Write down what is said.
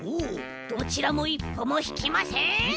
どちらもいっぽもひきません！